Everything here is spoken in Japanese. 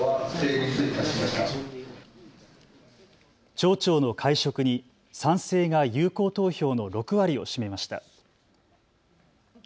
町長の解職に賛成が有効投票の６割を占めました。